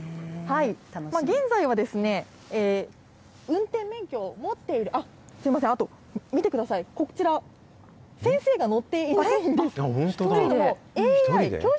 現在はですね、運転免許を持っている、あっ、すみません、あと見てください、こちら、先生が乗っていないんです。